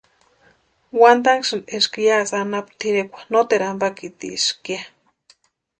Wantanhasïn eska yásï anapu tʼirekwa noteru ampakitieska ya.